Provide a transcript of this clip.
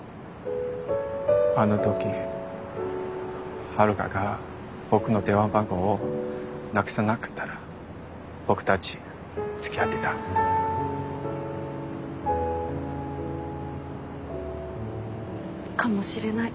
あの時春香が僕の電話番号を無くさなかったら僕たちつきあってた？かもしれない。